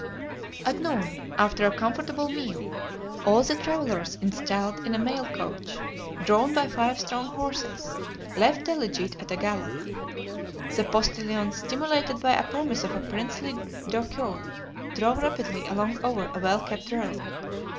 At noon, after a comfortable meal, all the travelers installed in a mail coach, drawn by five strong horses, left Delegete at a gallop. The postilions, stimulated by a promise of a princely DOUCEUR, drove rapidly along over a well kept road.